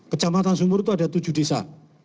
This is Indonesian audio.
ke jambatan sumber itu ada tujuh desa